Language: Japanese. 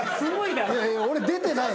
俺出てない。